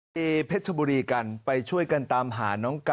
กูพายก็เลยบอกว่าเดี๋ยวประสานไปยังหมอปลาดีกว่า